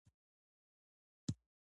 زه د ماښام پر مهال لنډ مزل کول خوښوم.